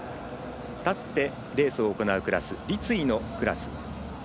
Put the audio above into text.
立ってレースを行うクラス立位のクラス。